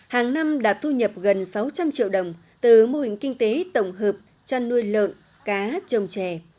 hàng năm đạt thu nhập gần sáu trăm linh triệu đồng từ mô hình kinh tế tổng hợp chăn nuôi lợn cá trồng chè